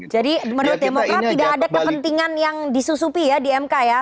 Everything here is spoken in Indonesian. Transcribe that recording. jadi menurut demokrat tidak ada kepentingan yang disusupi ya di mk ya